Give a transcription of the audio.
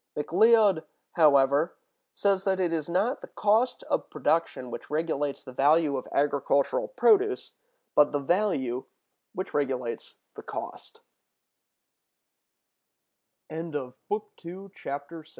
McLeod,(189) however, says it is not the cost of production which regulates the value of agricultural produce, but the value which regulates the cost. BOOK III. EXCHANGE. Chapter I. Of Value.